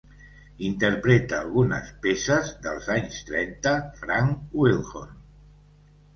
Interpreta algunes peces dels anys trenta Frank Wildhorn